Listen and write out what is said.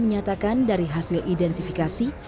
menyatakan dari hasil identifikasi